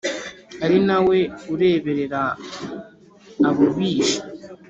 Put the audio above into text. Ari nawe ureberera abo bishi